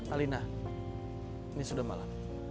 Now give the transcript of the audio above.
alina ini sudah malam